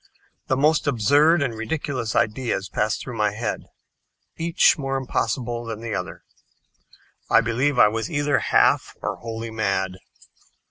The most absurd and ridiculous ideas passed through my head, each more impossible than the other. I believe I was either half or wholly mad.